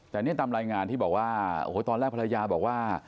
แต่เนี่ยตามรายงานที่บอกว่าโอ้โหตอนแรกภรรยาบอกว่า